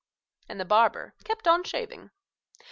And the barber kept on shaving.